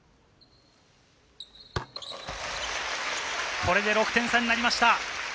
これで６点差になりました。